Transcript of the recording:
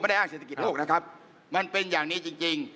ได้อ้างเศรษฐกิจโลกนะครับมันเป็นอย่างนี้จริงจริง